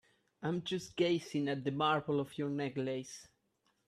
I'm just gazing at the marble of your necklace.